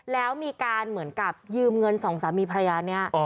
แล้วมีการเหมือนกับยืมเงินสองสามีภรรยานี้